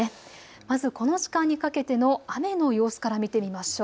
まずこの時間にかけての雨の様子から見てみましょう。